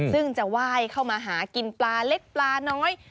ซึ่งจะไหว้เข้ามาหากินปลาเล็กปลาน้อย